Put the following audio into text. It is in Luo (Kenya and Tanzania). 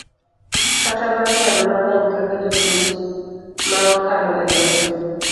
kata bang' ndalo mang'eny kaka jopuonj mawakalo e lwetgi,